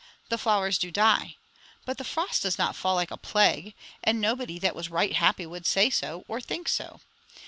"The flowers do die. But the frost does not fall like a plague; and nobody that was right happy would say so, or think so.